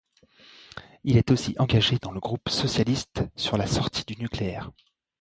Il est aussi engagé dans le groupe socialiste sur la sortie du nucléaire.